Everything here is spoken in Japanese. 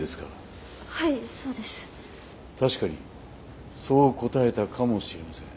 確かにそう答えたかもしれません。